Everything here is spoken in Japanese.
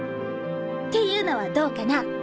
っていうのはどうかな？